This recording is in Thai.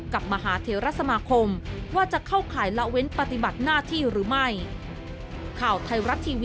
มหาเทรสมาคมว่าจะเข้าข่ายละเว้นปฏิบัติหน้าที่หรือไม่